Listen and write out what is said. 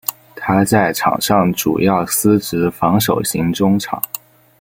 他在场上主要司职防守型中场。